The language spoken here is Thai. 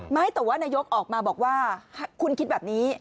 ไม่แต่ว่านายกออกมาบอกว่าคุณคิดแบบนี้